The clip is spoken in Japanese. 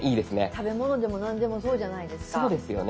食べ物でも何でもそうじゃないですか。